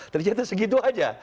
ternyata segitu aja